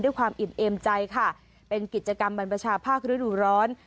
ความอิ่มเอมใจค่ะเป็นกิจกรรมบรรพชาภาคฤดูร้อน